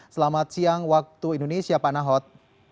selamat siang waktu indonesia pak nahot